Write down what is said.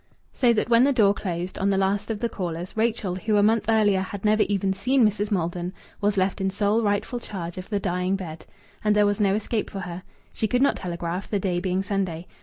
So that when the door closed on the last of the callers, Rachel, who a month earlier had never even seen Mrs. Maldon, was left in sole rightful charge of the dying bed. And there was no escape for her. She could not telegraph the day being Sunday.